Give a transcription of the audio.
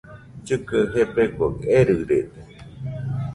Llɨkɨaɨ gebegoɨ erɨrede.